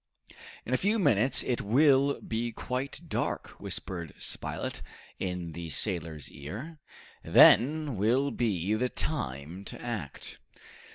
"In a few minutes it will be quite dark," whispered Spilett in the sailor's ear, "then will be the time to act."